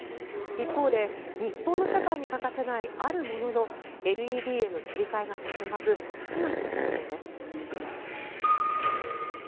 一方で日本の社会に欠かせないあるもののＬＥＤへの切り替えが進まず危機が迫っているんです。